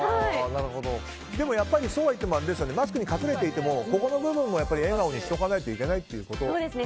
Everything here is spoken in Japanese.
でもそうはいってもマスクに隠れていてもここの部分は笑顔にしておかないといけないということですよね。